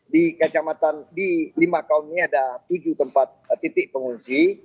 di kacamata di lima kaum ini ada tujuh tempat titik pengungsi